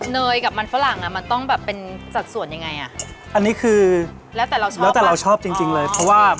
เนยกับมันฝรั่งอ่ะมันต้องแบบเป็นสัดส่วนยังไงอ่ะอันนี้คือแล้วแต่เราชอบแล้วแต่เราชอบจริงจริงเลยเพราะว่า